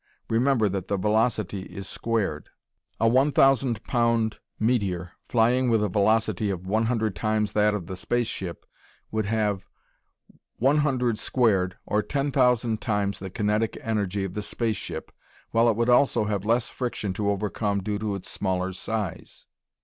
Remember that the velocity is squared. A one thousand pound meteor flying with a velocity 100 times that of the space ship would have 100^2 or 10,000 times the kinetic energy of the space ship while it would also have less friction to overcome due to its smaller size.